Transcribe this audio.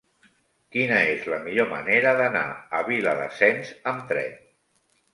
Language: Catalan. Quina és la millor manera d'anar a Viladasens amb tren?